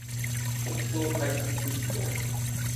北総開発鉄道